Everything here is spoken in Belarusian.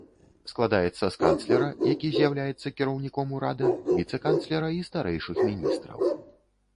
Складаецца з канцлера, які з'яўляецца кіраўніком урада, віцэ-канцлера і старэйшых міністраў.